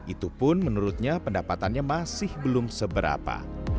itu pun menurutnya pendapatannya masih belum seberapa